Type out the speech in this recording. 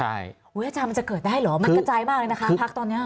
อาจารย์มันจะเกิดได้เหรอมันกระจายมากเลยนะคะพักตอนนี้